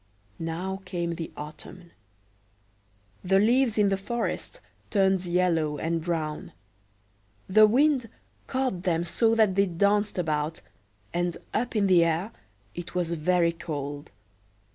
Now came the autumn. The leaves in the forest turned yellow and brown; the wind caught them so that they danced about, and up in the air it was very cold.